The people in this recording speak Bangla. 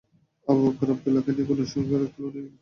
আবু বকর আব্দুল্লাহকে নিয়ে গুনাশেখারের ক্লু নিয়ে কাজ করেছ?